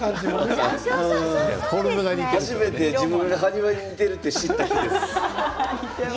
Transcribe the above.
初めて自分が埴輪に似てると知った日です。